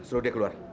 suruh dia keluar